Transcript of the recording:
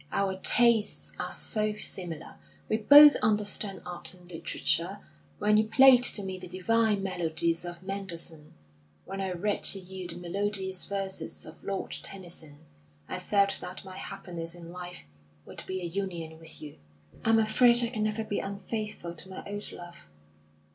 Our tastes are so similar; we both understand Art and Literature. When you played to me the divine melodies of Mendelssohn, when I read to you the melodious verses of Lord Tennyson, I felt that my happiness in life would be a union with you." "I'm afraid I can never be unfaithful to my old love."